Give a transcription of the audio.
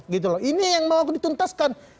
gitu loh ini yang mau dituntaskan